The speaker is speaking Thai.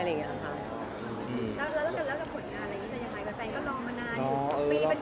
แล้วต่อกันกับผลงานแบบนี้